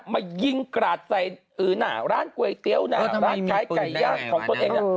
มายิงกระท้ายร้านก๋วยเตี๊ยวร้านไก่ย่างของตนเอง